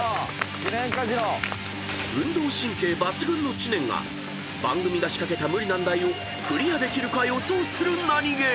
［運動神経抜群の知念が番組が仕掛けた無理難題をクリアできるか予想するナニゲー］